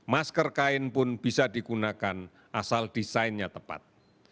masker kain pun bisa digunakan asal desainnya tepat